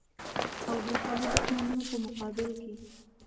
او داخلي دښمنانو په مقابل کې.